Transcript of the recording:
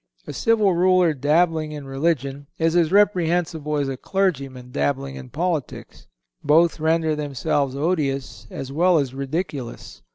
A civil ruler dabbling in religion is as reprehensible as a clergyman dabbling in politics. Both render themselves odious as well as ridiculous.